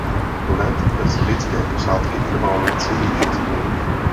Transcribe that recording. Let bez lidské posádky trval necelých šest minut.